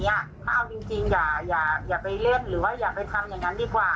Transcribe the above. ถ้าเอาจริงอย่าไปเล่นหรือว่าอย่าไปทำอย่างนั้นดีกว่า